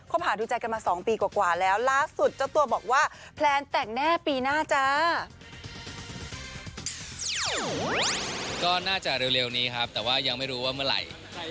โอ้โหด้วยวัยด้วยอะไรอย่างนี้